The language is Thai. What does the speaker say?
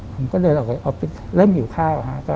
ผมก็เดินออกไปออฟฟิศเริ่มหิวข้าว